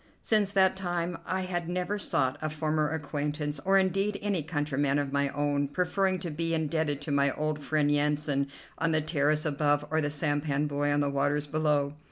Since that time I had never sought a former acquaintance, or indeed any countryman of my own, preferring to be indebted to my old friend Yansan on the terrace above or the sampan boy on the waters below.